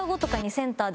センターで？